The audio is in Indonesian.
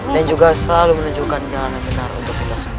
dan juga selalu menunjukkan jalan yang benar untuk kita semua